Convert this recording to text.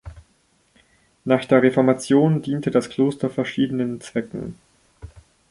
Nach der Reformation diente das Kloster verschiedenen Zwecken.